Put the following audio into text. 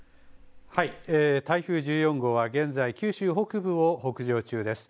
台風１４号は現在、九州北部を北上中です。